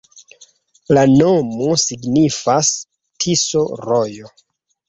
La nomo signifas: Tiso-rojo.